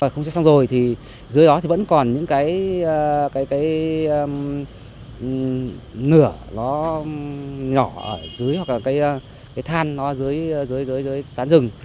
không cháy xong rồi dưới đó vẫn còn những cái nửa nhỏ dưới hoặc là cái than dưới tán rừng